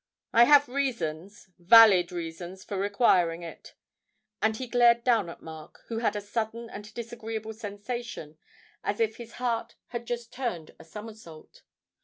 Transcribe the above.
I have reasons, valid reasons for requiring it.' And he glared down at Mark, who had a sudden and disagreeable sensation as if his heart had just turned a somersault.